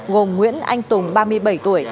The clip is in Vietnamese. gồm nguyễn anh tùng ba mươi bảy tuổi